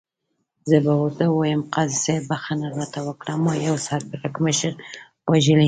زه به ورته ووایم، قاضي صاحب بخښنه راته وکړه، ما یو سر پړکمشر وژلی.